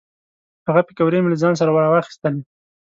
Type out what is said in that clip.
هغه پیکورې مې له ځان سره را واخیستلې.